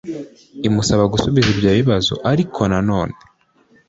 imusaba gusubiza ibyo bibazo ariko na none